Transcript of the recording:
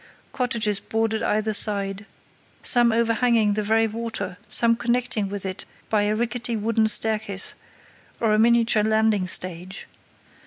Cottages bordered either side, some overhanging the very water, some connecting with it by a rickety wooden staircase or a miniature landing stage.